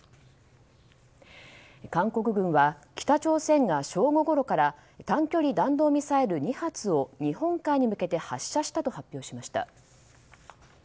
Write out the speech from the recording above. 韓国軍は北朝鮮が正午ごろから短距離弾道ミサイル２発を日本海に向けて発射したと発表しました。